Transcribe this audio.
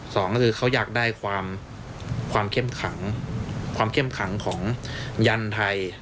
สองก็คือเขาอยากได้ความเข้มขังความเข้มขังของยันไทย